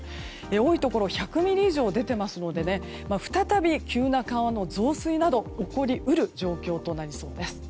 多いところ１００ミリ以上出ていますので再び急な川の増水など起こり得る状況となりそうです。